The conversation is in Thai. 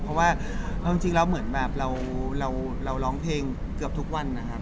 เพราะว่าเอาจริงแล้วเหมือนแบบเราร้องเพลงเกือบทุกวันนะครับ